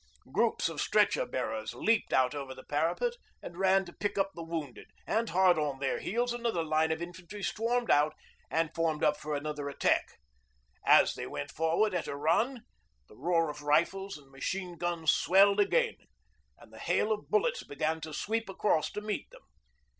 Groups of stretcher bearers leaped out over the parapet and ran to pick up the wounded, and hard on their heels another line of infantry swarmed out and formed up for another attack. As they went forward at a run the roar of rifles and machine guns swelled again, and the hail of bullets began to sweep across to meet them.